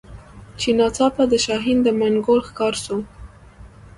چي ناڅاپه د شاهین د منګول ښکار سو